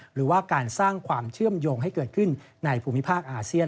หรือว่าการสร้างความเชื่อมโยงให้เกิดขึ้นในภูมิภาคอาเซียน